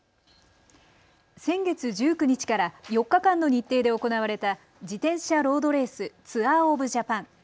先月１９日から４日間の日程で行われた自転車ロードレース、ツアー・オブ・ジャパン。